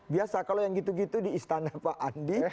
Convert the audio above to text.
biasa kalau yang gitu gitu di istana pak andi